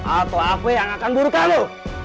aku apa yang akan buru kamu